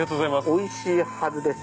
おいしいはずです。